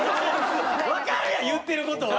分かるやん言ってることは。